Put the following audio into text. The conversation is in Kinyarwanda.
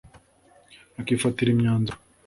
akifatira imyanzuro